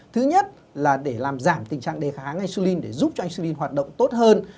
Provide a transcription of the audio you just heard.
thứ nhất là để làm giảm tình trạng đề kháng insulin để giúp cho insulin hoạt động tốt hơn